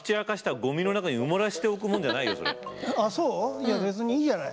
いや別にいいじゃない。